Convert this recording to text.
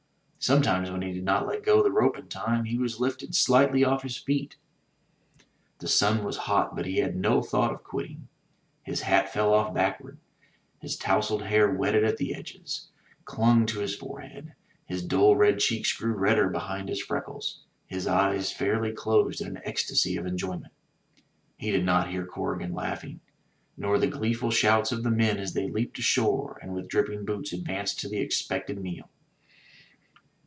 Sometimes when he did not let go the rope in time, he was lifted slightly off his feet. The sun was hot, but he had no thought of quitting. His hat fell off backward, his towseled hair wetted at the edges, clung to his forehead, his dull red cheeks grew redder behind his freckles, his eyes fairly closed in an ecstasy of enjoyment. He did not hear Corrigan laughing, nor the gleeful shouts of the men as they leaped ashore and with dripping boots advanced to the expected meal.